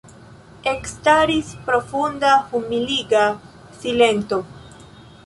Ekstaris profunda, humiliga silento.